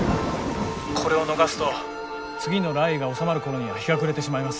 これを逃すと次の雷雨が収まる頃には日が暮れてしまいます。